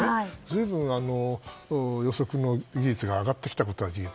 随分、予測の技術が上がってきたことは事実。